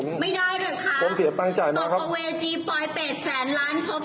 ไม่ได้เลยค่ะผมเสียตังจ่ายมาครับตกโปเวจีปลอยเป็ดแสนล้านครบ